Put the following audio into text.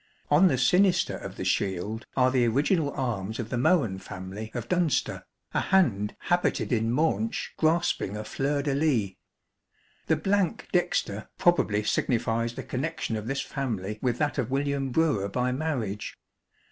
On the sinister of the shield are the original arms of the Mohun family of Dunster, a hand habited in maunch grasping a fleur de lys, the blank dexter probably signifies the connection of this family with that of William Brewer by marriage.